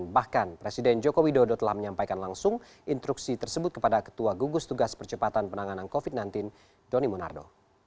bahkan presiden joko widodo telah menyampaikan langsung instruksi tersebut kepada ketua gugus tugas percepatan penanganan covid sembilan belas doni monardo